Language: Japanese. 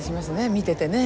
見ててね。